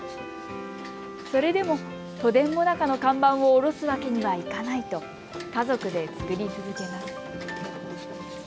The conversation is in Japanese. それでも都電もなかの看板を下ろすわけにはいかないと家族で作り続けます。